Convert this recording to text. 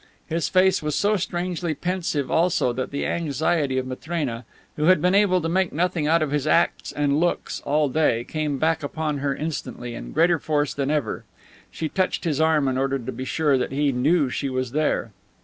His face was so strangely pensive also that the anxiety of Matrena, who had been able to make nothing out of his acts and looks all day, came back upon her instantly in greater force than ever. She touched his arm in order to be sure that he knew she was there.